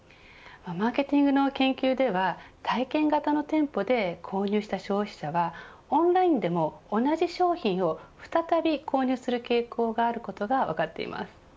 マーケティングの研究では体験型の店舗で購入した消費者はオンラインでも同じ商品を再び購入する傾向があることが分かっています。